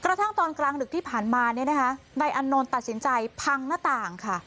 กระทั่งตอนกลางดึกที่ผ่านมาเนี่ยนะคะนายอันนนท์ตัดสินใจพังหน้าต่างค่ะ